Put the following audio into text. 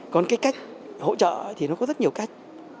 còn cái cách hỗ trợ thì nó có rất nhiều cách